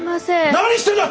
何してんだ！